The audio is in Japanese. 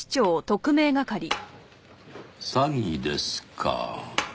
詐欺ですか。